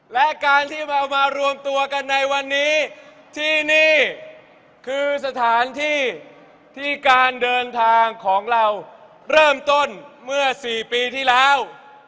และการที่เรามารวมตัวกันในวันนี้ที่นี่คือสถานที่ที่การเดินทางของเราเริ่มต้นเมื่อ๔ปีที่แล้ว